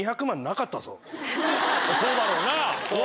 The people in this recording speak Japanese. そうだろうな。